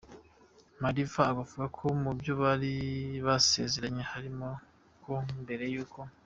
Mariva avuga ko mu byo bari basezeranye harimo ko mbere yuko.